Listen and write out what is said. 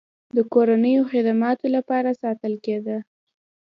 د کورنیو خدماتو لپاره ساتل کېدل.